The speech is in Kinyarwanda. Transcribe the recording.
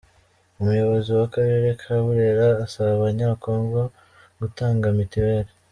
Umuyobozi w’akarere ka Burera asaba abanyakagogo gutanga Mitiweri.